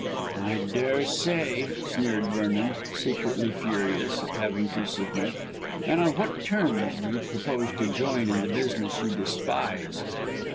"I daresay," sneered Vernon, secretly furious at having to submit. "And on what terms do you propose to join in the business you despise?"